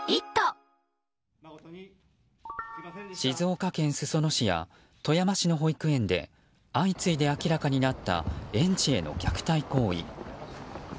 静岡県裾野市や富山市の保育園で相次いで明らかになった園児への虐待行為。